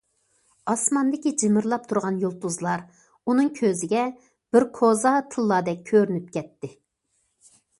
ئاسماندىكى جىمىرلاپ تۇرغان يۇلتۇزلار ئۇنىڭ كۆزىگە بىر كوزا تىللادەك كۆرۈنۈپ كەتتى.